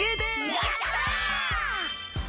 やった！